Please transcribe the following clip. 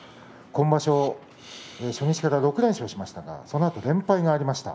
今場所、初日から６連勝しましたがそのあと連敗がありました。